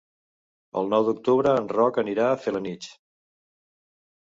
El nou d'octubre en Roc anirà a Felanitx.